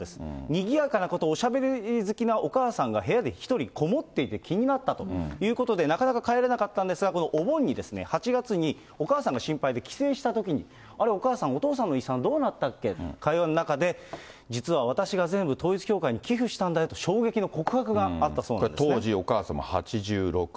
にぎやかなこと、おしゃべり好きなお母さんが、部屋で１人籠もっていて、気になったということで、なかなか帰れなかったんですが、このお盆に、８月に、お母さんが心配で帰省したときに、あれ、お母さん、お父さんの遺産どうなったっけ、会話の中で、実は私が全部、統一教会に寄付したんだよと衝撃の告白があったそ当時、お母様８６歳。